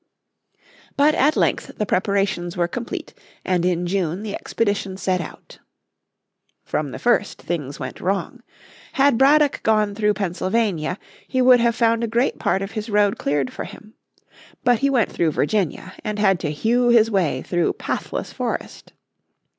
But at length the preparations were complete, and in June the expedition set out. From the first things went wrong. Had Braddock gone through Pennsylvania he would have found a great part of his road cleared for him. But he went through Virginia, and had to hew his way through pathless forest.